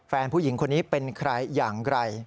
ผู้หญิงคนนี้เป็นใครอย่างไร